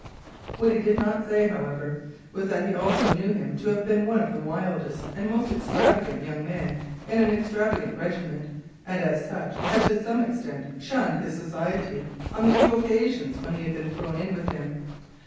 What he did not say, however, was that he also knew him to have been one of the wildest and most extravagant young men in an extravagant regiment, and as such had to some extent shunned his society on the few occasions that he had been thrown in with him.